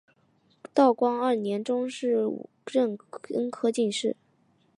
道光二年中壬午恩科进士。